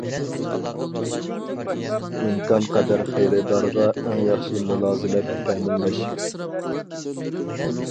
ئىمكانقەدەر خېرىدارغا ئەڭ ياخشى مۇلازىمەت تەمىنلەش.